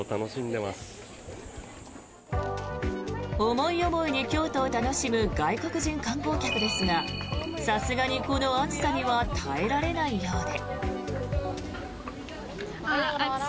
思い思いに京都を楽しむ外国人観光客ですがさすがに、この暑さには耐えられないようで。